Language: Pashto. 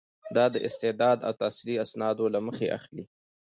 دا د استعداد او تحصیلي اسنادو له مخې اخلي.